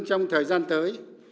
trong thời gian tới